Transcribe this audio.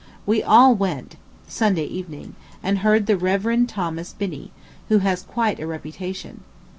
We all went, Sunday evening, and heard the Rev. Thomas Binney, who has quite a reputation.